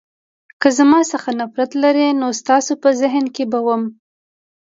که زما څخه نفرت لرئ نو ستاسو په ذهن کې به وم.